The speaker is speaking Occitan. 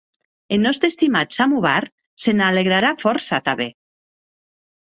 Eth nòste estimat samovar se n'alegrarà fòrça tanben.